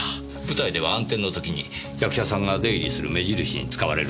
舞台では暗転のときに役者さんが出入りする目印に使われると聞きます。